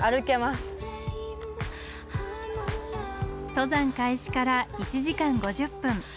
登山開始から１時間５０分。